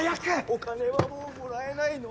お金はもうもらえないの？